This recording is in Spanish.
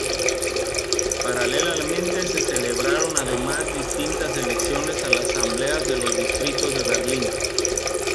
Paralelamente se celebraron además distintas elecciones a las asambleas de los distritos de Berlín.